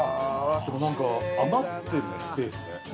でもなんか余ってるねスペースね。